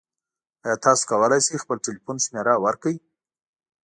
ایا تاسو کولی شئ خپل تلیفون شمیره ورکړئ؟